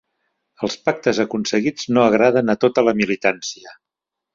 Els pactes aconseguits no agraden a tota la militància